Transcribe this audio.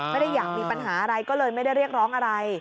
ไม่ได้อยากมีปัญหาอะไรก็เลยไม่ได้เรียกร้องอะไร